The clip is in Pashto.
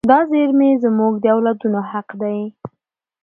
دا زیرمې زموږ د اولادونو حق دی.